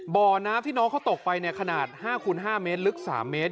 บ่อน้ำที่น้องเขาตกไปขนาด๕คูณ๕เมตรลึก๓เมตร